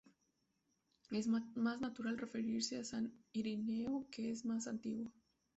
Es más natural referirse a San Ireneo que es más antiguo.